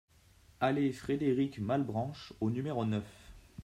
Allée Frédéric Malbranche au numéro neuf